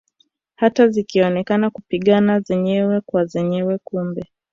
Hata zikionekana kupingana zenyewe kwa zenyewe kumbe